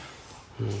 うん。